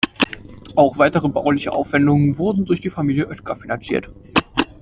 Auch weitere bauliche Aufwendungen wurden durch die Familie Oetker finanziert.